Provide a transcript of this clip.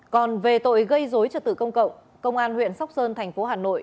còn về tội gây dối trật tự công cộng công an huyện sóc sơn thành phố hà nội